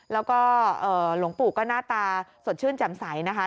แล้วก็หลวงปู่ก็หน้าตาสดชื่นแจ่มใสนะคะ